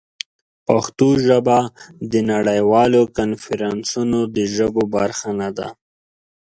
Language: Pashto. پښتو ژبه د نړیوالو کنفرانسونو د ژبو برخه نه ده.